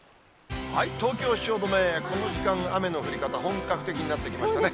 東京・汐留、この時間、雨の降り方、本格的になってきましたね。